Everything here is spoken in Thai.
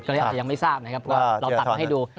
ก็เลยอาจจะยังไม่ทราบนะครับเพราะว่าเราตัดมาให้ดู